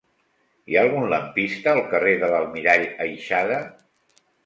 Hi ha algun lampista al carrer de l'Almirall Aixada?